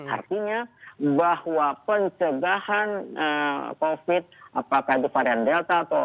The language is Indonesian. artinya bahwa pencegahan covid apakah itu varian delta atau